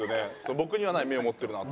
僕にはない目を持ってるなと。